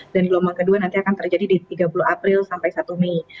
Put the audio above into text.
dan gelombang kedua nanti akan terjadi di tiga puluh april sampai satu mei